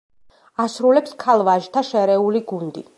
ასრულებს ქალ-ვაჟთა შერეული გუნდი.